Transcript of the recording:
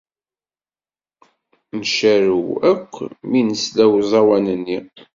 Neccarew akk mi nesla i uẓawan-nni.